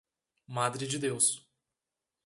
Madre de Deus